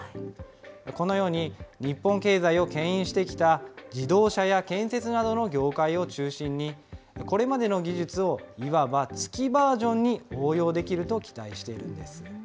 このように、日本経済をけん引してきた自動車や建設などの業界を中心に、これまでの技術をいわば、月バージョンに応用できると期待しているんです。